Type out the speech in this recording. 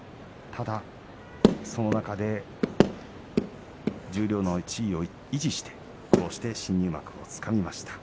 ただ、その中で十両の地位を維持して苦労して新入幕をつかみました。